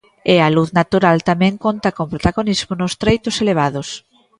E a luz natural tamén conta con protagonismo nos treitos elevados.